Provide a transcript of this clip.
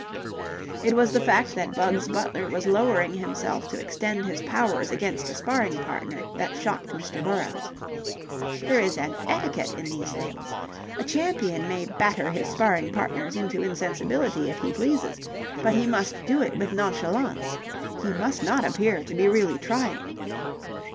It was the fact that Bugs Butler was lowering himself to extend his powers against a sparring partner that shocked Mr. Burrowes. There is an etiquette in these things. A champion may batter his sparring partners into insensibility if he pleases, but he must do it with nonchalance. He must not appear to be really trying.